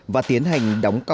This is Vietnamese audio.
và tiến hành đóng cầu